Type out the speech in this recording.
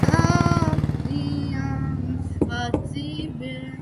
ამ ალბომში იყო უფრო მეტი ექსპერიმენტული მუსიკა, განსხვავებით წინა ალბომების აკუსტიკური სტილისა.